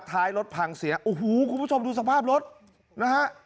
ท้ายรถพังเสียโอ้โหคุณผู้ชมดูสภาพรถนะฮะ